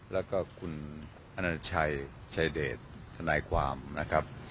แล้วก็คุณอนาชัยชายเดชทนายความนะครับ